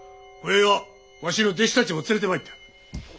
こよいはわしの弟子たちも連れてまいった。